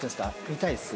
見たいです。